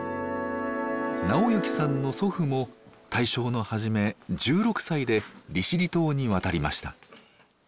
直之さんの祖父も大正の初め１６歳で利尻島に渡りました。